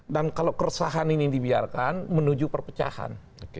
dan kalau keresahan ini dibiarkan menuju perpecahan